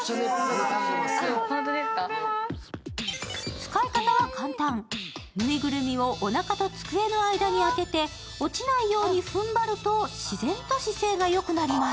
使い方は簡単、縫いぐるみをおなかと机の間に当てて落ちないようにふんばると自然と姿勢が良くなります。